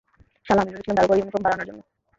শালা, আমি বলেছিলাম, দারোগার ইউনিফর্ম ভাড়া আনার জন্য।